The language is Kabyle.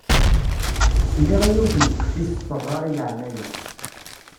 Sliɣ i yiwet n teqcict teɣɣar i leεnaya.